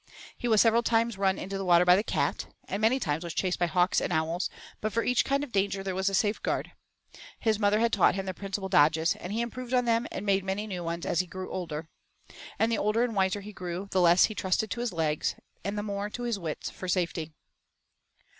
He was several times run into the water by the cat, and many times was chased by hawks and owls, but for each kind of danger there was a safeguard. His mother taught him the principal dodges, and he improved on them and made many new ones as he grew older. And the older and wiser he grew the less he trusted to his legs, and the more to his wits for safety.